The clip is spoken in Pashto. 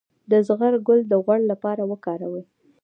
د زغر ګل د غوړ لپاره وکاروئ